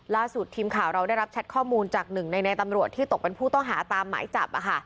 ล่าสุดทีมข่าวเราได้รับแชทข้อมูลจากหนึ่งในในตำรวจที่ตกเป็นผู้ต้องหาตามหมายจับ